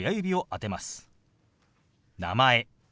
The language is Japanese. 「名前」。